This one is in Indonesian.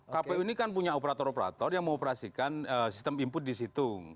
kpu ini kan punya operator operator yang mengoperasikan sistem input di situ